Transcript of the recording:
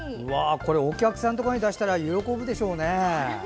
お客さんとかに出したら喜ぶだろうね。